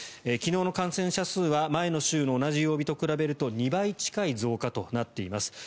昨日の感染者数は前の週の同じ曜日と比べると２倍近い増加となっています。